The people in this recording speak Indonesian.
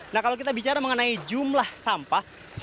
nah kalau kita bicara mengenai jumlah sampah